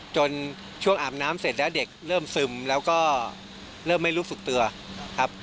จนช่วงอาบน้ำเสร็จแล้วเด็กเริ่มซึมแล้วก็เริ่มไม่รู้สึกตัวครับ